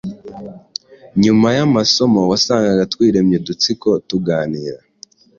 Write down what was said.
Nyuma y’amasomo, wasangaga twiremye udutsiko tuganira,